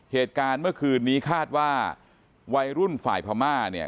เหตุการณ์เมื่อคืนนี้คาดว่าวัยรุ่นฝ่ายพม่าเนี่ย